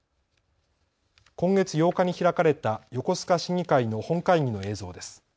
今月８日に開かれた横須賀市議会の本会議の映像です。